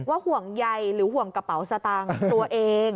ห่วงใยหรือห่วงกระเป๋าสตางค์ตัวเอง